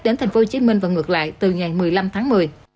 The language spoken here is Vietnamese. đến tp hcm và ngược lại từ ngày một mươi năm tháng một mươi